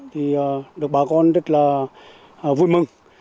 thì được bà con rất là vui mừng